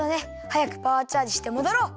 はやくパワーチャージしてもどろう！